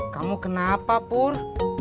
kamu kenapa pur